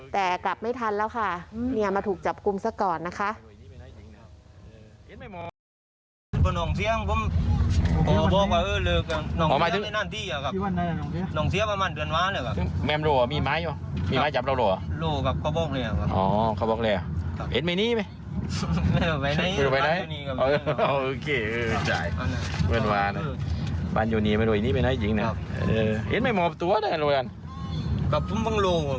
แต่กลับไม่ทันแล้วค่ะมาถูกจับกลุ่มซะก่อนนะคะ